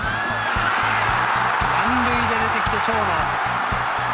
満塁で出てきて長野。